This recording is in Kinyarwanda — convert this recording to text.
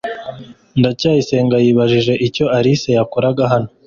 ndacyayisenga yibajije icyo alice yakoraga hano